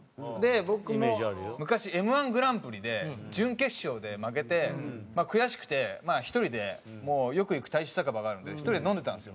僕も昔Ｍ−１グランプリで準決勝で負けて悔しくて１人でよく行く大衆酒場があるんで１人で飲んでたんですよ。